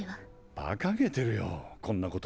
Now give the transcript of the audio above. バカげてるよこんなこと。